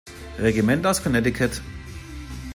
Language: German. Regiment aus Connecticut.